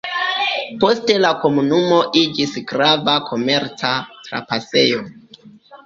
Poste la komunumo iĝis grava komerca trapasejo.